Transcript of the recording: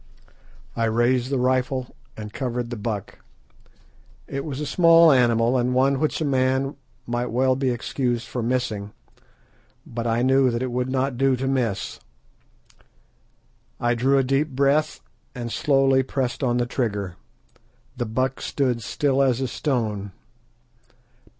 I raised the rifle and covered the buck. It was a small animal, and one which a man might well be excused for missing, but I knew that it would not do to miss. I drew a deep breath, and slowly pressed on the trigger. The buck stood still as a stone.